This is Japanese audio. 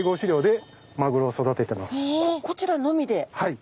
はい。